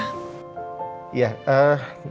nanti papa segera akan kabarin mereka